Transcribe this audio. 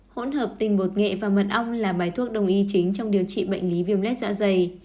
hỗn hợp tình bột nghệ và mật ong là bài thuốc đồng ý chính trong điều trị bệnh lý viêm lét dạ dày